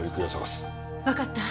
わかった。